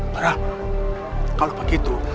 barah kalau begitu